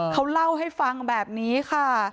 เขาเล่าให้ฟังแบบนี้ค่ะ